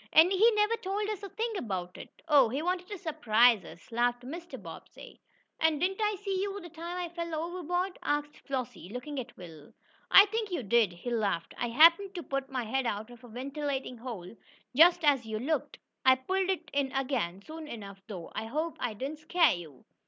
"And he never told us a thing about it." "Oh, he wanted to surprise us," laughed Mr. Bobbsey. "And didn't I see you, the time I fell overboard?" asked Flossie, looking at Will. "I think you did," he laughed. "I happened to put my head out of a ventilating hole just as you looked. I pulled it in again, soon enough, though. I hope I didn't scare you."